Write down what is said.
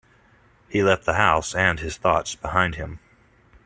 He left the house and his thoughts behind him.